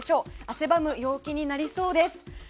汗ばむ陽気となりそうです。